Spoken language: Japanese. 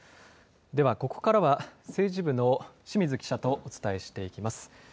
では、ここからは政治部の清水記者とお伝えしていきます。